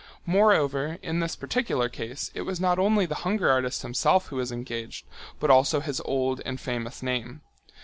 Moreover, in this particular case it was not only the hunger artist himself who was engaged, but also his old and famous name.